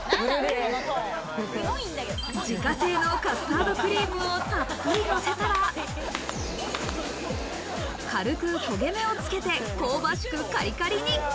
自家製のカスタードクリームをたっぷりのせたら、軽く焦げ目をつけて香ばしくカリカリに。